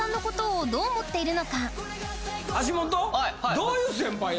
どういう先輩や？